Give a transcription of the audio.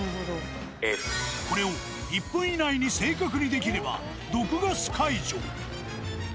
これを１分以内に正確にできれば、毒ガス解除。